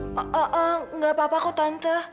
eh eh eh nggak apa apa kok tante